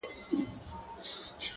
• تشه له سرو میو شنه پیاله به وي ,